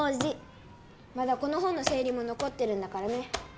まだこの本の整理ものこってるんだからね。